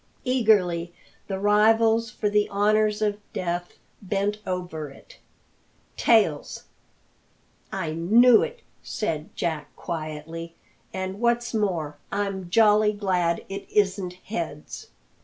Eagerly the rivals for the honours of death bent over it. "Tails!" "I knew it!" said Jack quietly; "and what's more, I'm jolly glad it isn't heads."